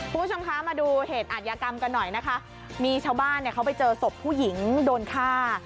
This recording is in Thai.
คุณผู้ชมคะมาดูเหตุอาทยากรรมกันหน่อยนะคะมีชาวบ้านเนี่ยเขาไปเจอศพผู้หญิงโดนฆ่า